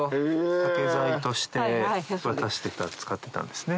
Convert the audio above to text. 竹材として渡してた使ってたんですね。